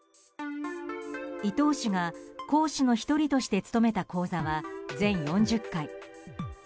伊東氏が講師の１人として務めた講座は全４０回。